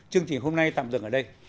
chương trình hôm nay tạm dừng ở đây